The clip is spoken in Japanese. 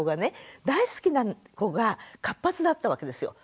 大好きな子が活発だったわけですよ。